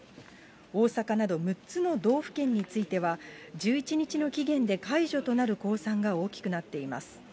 大阪など６つの道府県については、１１日の期限で解除となる公算が大きくなっています。